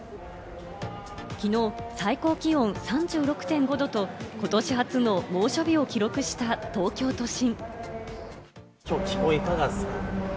きのう最高気温３６．５度と、ことし初の猛暑日を記録した東京都心。